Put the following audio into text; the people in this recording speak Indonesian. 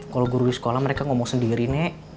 kalau guru di sekolah mereka ngomong sendiri nek